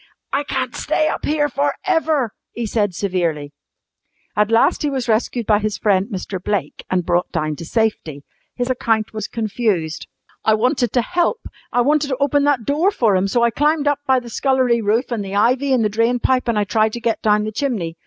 "I can't stay up here for ever," he said severely. At last he was rescued by his friend Mr. Blake and brought down to safety. His account was confused. "I wanted to help. I wanted to open that door for 'em, so I climbed up by the scullery roof, an' the ivy, an' the drain pipe, an' I tried to get down the chimney.